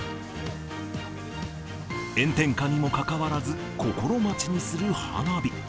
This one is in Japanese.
炎天下にもかかわらず、心待ちにする花火。